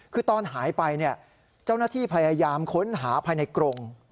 คือตอนหายไปเจ้าหน้าที่พยายามค้นหาภายในกรง